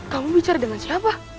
kamu bicara dengan siapa